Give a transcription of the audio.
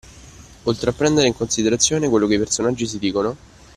Oltre a prendere in considerazione quello che i personaggi si dicono